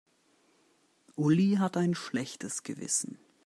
Uli hat ein schlechtes Gewissen.